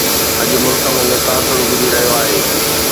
اڄ ملڪ ۾ اهو تاثر اڀري رهيو آهي